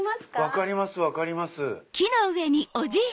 分かります分かります。